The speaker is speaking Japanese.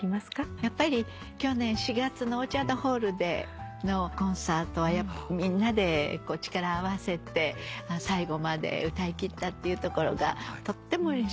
やっぱり去年４月のオーチャードホールでのコンサートはみんなで力合わせて最後まで歌いきったっていうところがとってもうれしかったです。